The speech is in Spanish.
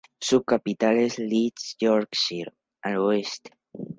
Su capital es Leeds, Yorkshire del Oeste.